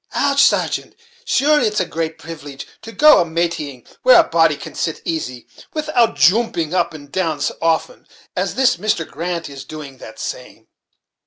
Och! sargeant, sure it's a great privilege to go to a mateing where a body can sit asy, without joomping up and down so often, as this Mr. Grant is doing that same."